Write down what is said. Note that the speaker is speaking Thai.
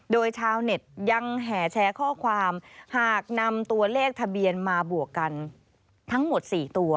โดยชาวเน็ตยังแห่แชร์ข้อความหากนำตัวเลขทะเบียนมาบวกกันทั้งหมด๔ตัว